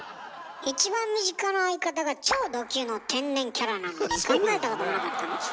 一番身近な相方が超ド級の天然キャラなのに考えたこともなかったの？